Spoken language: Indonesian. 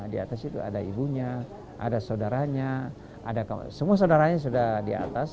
di atas itu ada ibunya ada saudaranya ada semua saudaranya sudah di atas